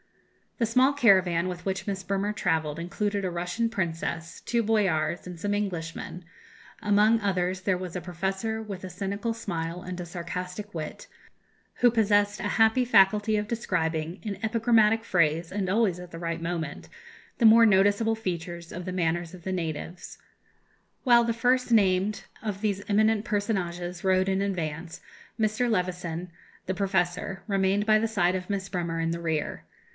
The small caravan with which Miss Bremer travelled included a Russian princess, two boyars, and some Englishmen; among others there was a professor with a cynical smile and a sarcastic wit, who possessed a happy faculty of describing, in epigrammatic phrase and always at the right moment, the more noticeable features of the manners of the natives. While the first named of these eminent personages rode in advance, Mr. Levison, the professor, remained by the side of Miss Bremer in the rear.